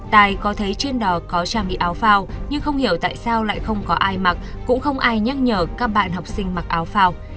tài có thấy trên đò có trang bị áo phao nhưng không hiểu tại sao lại không có ai mặc cũng không ai nhắc nhở các bạn học sinh mặc áo phao